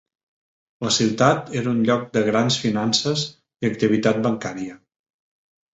La ciutat era un lloc de grans finances i activitat bancària.